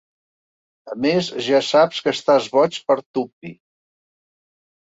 A més, ja saps que estàs boig per Tuppy.